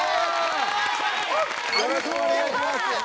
よろしくお願いします。